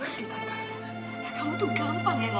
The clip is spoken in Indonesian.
tante kamu tuh gampang yang ngomong seperti itu